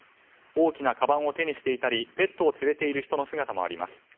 大きなかばんを手にしていたりペットを連れている人の姿もあります。